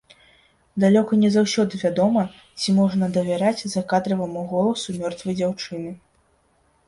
Далёка не заўсёды вядома, ці можна давяраць закадраваму голасу мёртвай дзяўчыны.